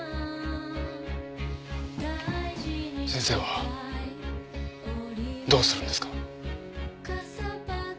先生はどうするんですか？